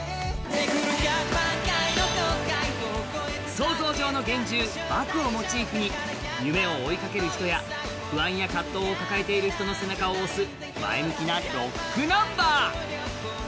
想像上の幻獣、バクをモチーフに夢を追いかける人や不安や葛藤を抱えている人の背中を押す、前向きなロックナンバー。